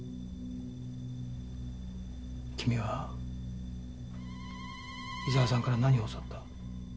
君は伊沢さんから何を教わった？